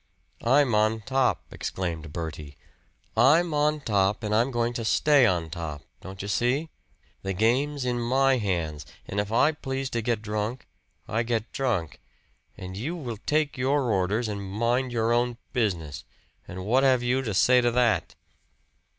"I'm on top!" exclaimed Bertie. "I'm on top, and I'm going to stay on top don't you see? The game's in my hands; and if I please to get drunk, I get drunk. And you will take your orders and mind your own business. And what have you to say to that?"